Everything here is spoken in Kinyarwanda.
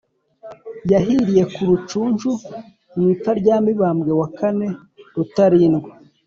yahiriye ku rucuncu, mu ipfa rya mibambwe iv rutarindwa.